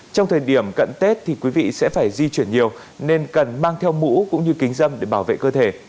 trong thời điểm cận tết thì quý vị sẽ phải di chuyển nhiều nên cần mang theo mũ cũng như kính dâm để bảo vệ cơ thể